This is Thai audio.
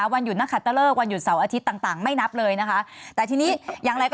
วันหยุดเสาร์อาทิตย์ต่างไม่นับเลยนะคะแต่ที่นี้อย่างไรก็